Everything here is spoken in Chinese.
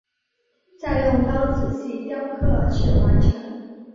再用刀仔细雕刻至完成。